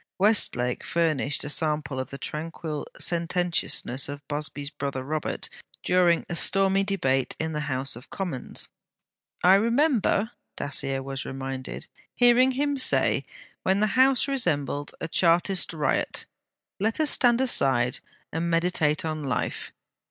Westlake furnished a sample of the tranquil sententiousness of Busby's brother Robert during a stormy debate in the House of Commons. 'I remember,' Dacier was reminded, 'hearing him say, when the House resembled a Chartist riot, "Let us stand aside and meditate on Life.